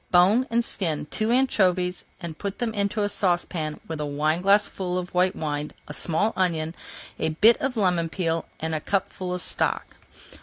Bone and skin two anchovies and put them into a saucepan with a wineglassful of white wine, a small onion, a bit of lemon peel, and a cupful of stock.